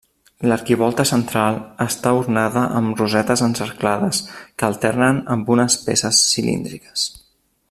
L'arquivolta central està ornada amb rosetes encerclades que alternen amb unes peces cilíndriques.